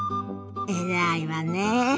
偉いわね。